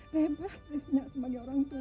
bebas deh nya sebagai orang tua